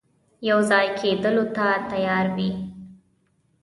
یو ځای کېدلو ته تیار وي.